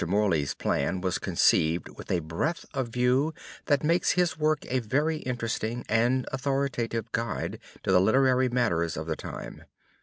Morley's plan was conceived with a breath of view that makes his work a very interesting and authoritative guide in the literary matters of the time.